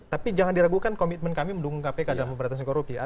tapi jangan diragukan komitmen kami mendukung kpk dalam pemberantasan korupsi